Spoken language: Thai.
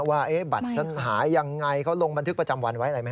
ว่าบัตรฉันหายอย่างไรเขาลงบันทึกประจำวันไว้ไหมฮะ